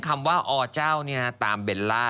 คำว่าอเจ้าตามเบลล่า